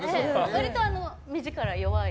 割と目力、弱い。